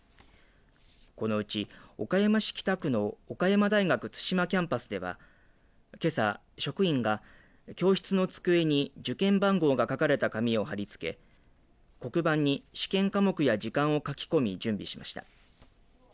このうち、岡山市北区の岡山大学津島キャンパスではけさ、職員が教室の机に受検番号が書かれた紙を貼りつけ黒板に試験科目や時間を書き込み準備しました。